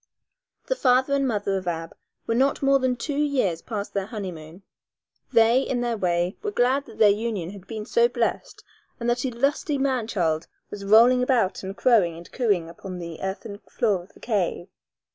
The father and mother of Ab were not more than two years past their honeymoon. They, in their way, were glad that their union had been so blest and that a lusty man child was rolling about and crowing and cooing upon the earthen floor of the cave.